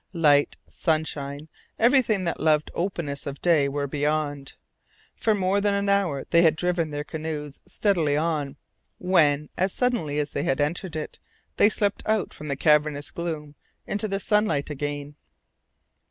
Light, sunshine, everything that loved the openness of day were beyond. For more than an hour they had driven their canoes steadily on, when, as suddenly as they had entered it, they slipped out from the cavernous gloom into the sunlight again.